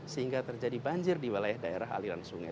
sehingga terjadi banjir di wilayah daerah aliran sungai